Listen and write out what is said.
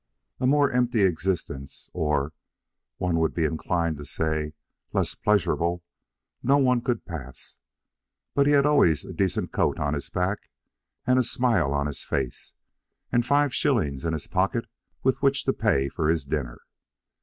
A more empty existence, or, one would be inclined to say, less pleasurable, no one could pass; but he had always a decent coat on his back and a smile on his face, and five shillings in his pocket with which to pay for his dinner.